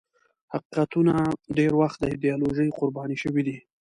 حقیقتونه ډېر وخت د ایدیالوژۍ قرباني شوي دي.